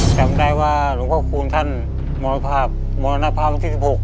จำได้ว่าหลวงพ่อคูณท่านมรณภาพมรณภาพวันที่๑๖